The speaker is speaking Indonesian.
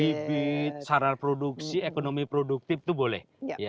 bibit saral produksi ekonomi produktif itu boleh